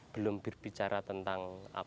belum berbicara tentang